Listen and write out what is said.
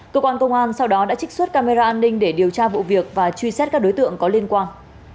cơ quan công an sau đó đã trích xuất camera an ninh để điều tra vụ việc và truy xét các đối tượng có liên quan